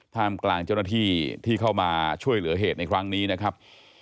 ท่ามกลางเจ้าหน้าที่ที่เข้ามาช่วยเหลือเหตุในครั้งนี้นะครับ